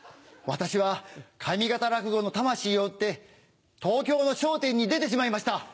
私は上方落語の魂を売って東京の『笑点』に出てしまいました。